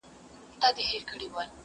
سر کي ښکر شاته لکۍ ورکړه باداره,